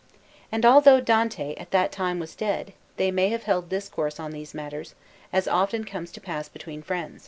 And although Dante at that time was dead, they may have held discourse on these matters, as often comes to pass between friends.